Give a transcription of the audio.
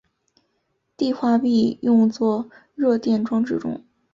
碲化铋用作热电装置中。